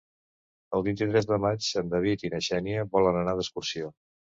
El vint-i-tres de maig en David i na Xènia volen anar d'excursió.